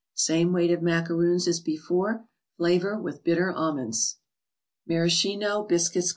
Same weight of macaroons as before. Flavor with bitter almonds. 6o THE BOOK OF ICES.